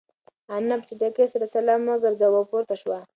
انا په چټکۍ سره سلام وگرځاوه او پورته شوه.